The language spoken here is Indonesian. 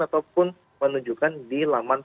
ataupun menunjukkan di laman